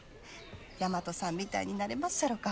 大和さんみたいになれまっしゃろか？